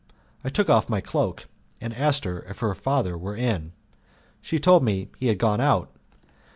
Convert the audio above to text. I took off my cloak, and asked her if her father were in. She told me he had gone out.